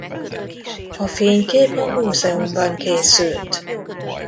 A fénykép a múzeumban készült.